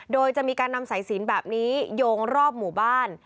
โดยจะมีการนำสายสินแบบนี้โยงรอบหมู่บ้าน